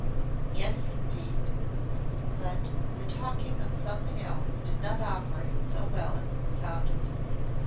"Yes, indeed." But the talking of something else did not operate so well as it sounded.